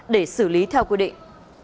để xử lý theo quy định